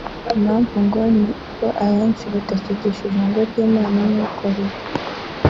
Impavu ngo ni uko ahenshi batakigisha ijambo ry’Imna nkuko riri